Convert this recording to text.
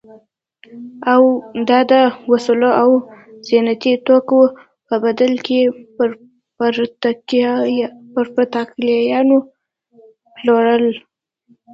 دا د وسلو او زینتي توکو په بدل کې پر پرتګالیانو پلورل.